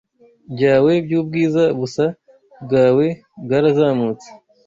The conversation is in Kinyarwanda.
byawe byubwiza-busa bwawe bwarazamutse